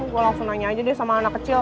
gue langsung nanya aja deh sama anak kecil